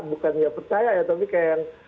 bukan nggak percaya ya tapi kayak